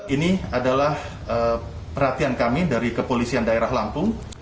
ini adalah perhatian kami dari kepolisian daerah lampung